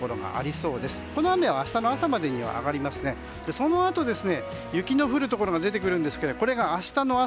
そのあと雪の降るところが出てきますが、これが明日の朝。